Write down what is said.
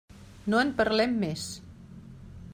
No en parlem més.